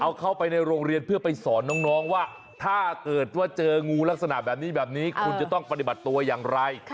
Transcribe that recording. เอาเข้าไปในโรงเรียนเพื่อไปสอนน้องว่าถ้าเกิดว่าเจองูลักษณะแบบนี้แบบนี้คุณจะต้องปฏิบัติตัวอย่างไร